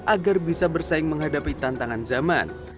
agar bisa bersaing menghadapi tantangan zaman